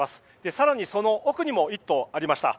更にその奥にも１棟ありました。